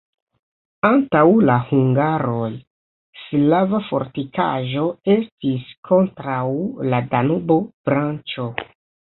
Antaŭ la hungaroj slava fortikaĵo estis kontraŭ la Danubo-branĉo.